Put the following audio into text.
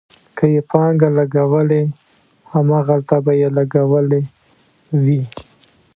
که یې پانګه لګولې، هماغلته به یې لګولې وي.